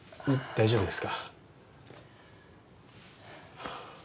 大丈夫です。